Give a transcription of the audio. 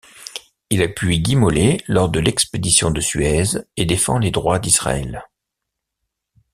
Il appuie Guy Mollet lors de l'expédition de Suez et défend les droits d'Israël.